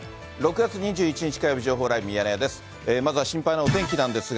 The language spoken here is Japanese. ６月２１日火曜日、情報ライブミヤネ屋です。